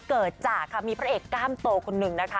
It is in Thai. เกิดจากค่ะมีพระเอกกล้ามโตคนหนึ่งนะคะ